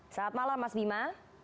selamat malam mas bima